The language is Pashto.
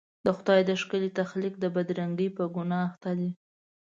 د خدای د ښکلي تخلیق د بدرنګۍ په ګناه اخته دي.